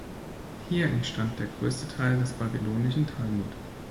Hier entstand der größte Teil des Babylonischen Talmud.